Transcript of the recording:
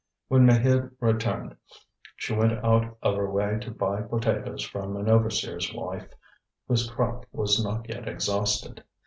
When Maheude returned, she went out of her way to buy potatoes from an overseer's wife whose crop was not yet exhausted.